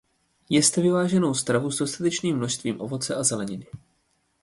Jezte vyváženou stravu s dostatečným množstvím ovoce a zeleniny.